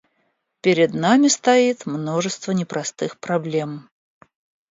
Перед нами стоит множество непростых проблем.